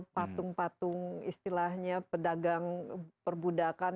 patung patung istilahnya pedagang perbudakan